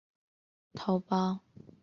头孢唑肟常态下为白色或淡黄色结晶。